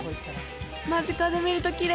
間近で見ると奇麗。